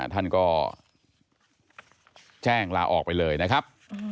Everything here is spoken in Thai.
ท่านก็แจ้งลาออกไปเลยนะครับ